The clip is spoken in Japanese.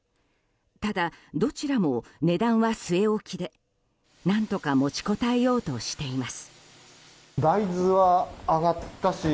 ただ、どちらも値段は据え置きで何とか持ちこたえようとしています。